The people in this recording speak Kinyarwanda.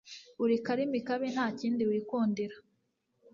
Uri karimi kabi nta kindi wikundira